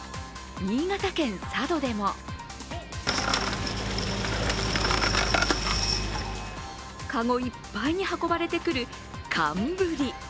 新潟県佐渡でも籠いっぱいに運ばれてくる寒ブリ。